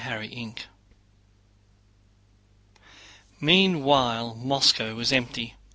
CHAPTER XX Meanwhile Moscow was empty.